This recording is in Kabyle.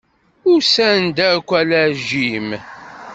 Usan-d akk, ala Jim.